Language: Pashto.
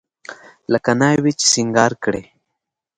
لکه ناوې چې سينګار کړې.